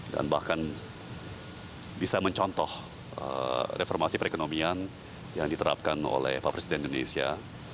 dan bahkan bisa mencontoh reformasi perekonomian yang diterapkan oleh pak presiden indonesia